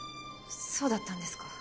そうだったんですか。